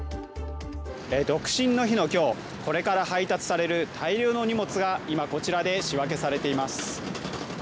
独身の日の今日、これから配達される大量の荷物が今、こちらで仕分けされています。